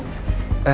bu bentar bu